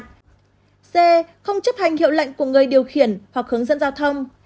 xe không chấp hành hiệu lệnh của người điều khiển hoặc hướng dẫn giao thông